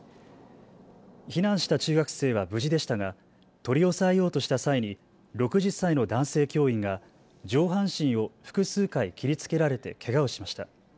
避難した中学生は無事でしたが取り押さえようとした際に６０歳の男性教員が上半身を複数回切りつけられてけがをしました。